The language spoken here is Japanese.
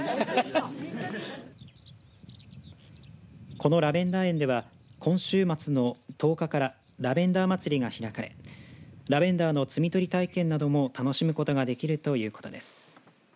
このラベンダー園では今週末の１０日からラベンダーまつりが開かれラベンダーの摘み取り体験なども楽しむことができるということです。